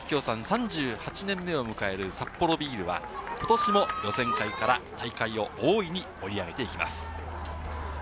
３８年目を迎えるサッポロビールはことしも予選会から大会を大いに盛り上げていきます。